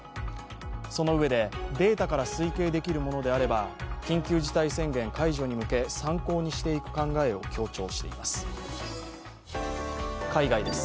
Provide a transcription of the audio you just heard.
その上で、データから推計できるものであれば緊急事態宣言解除に向け、参考にしていく考えを強調しています。